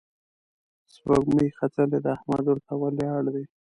سپوږمۍ ختلې ده، احمد ورته ولياړ دی